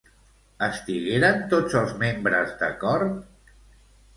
Estigueren tots els membres d'acord?